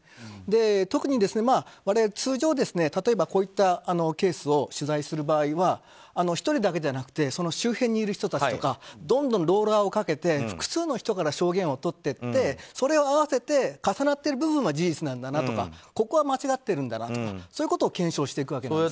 特に我々通常、例えばこういったケースを取材する場合は１人だけじゃなくて周辺にいる人たちとかどんどん、ローラーをかけて複数の人から証言をとっていってそれを合わせて重なっている部分は事実なんだなとかここは間違っているんだなとかそういうことを検証していくわけです。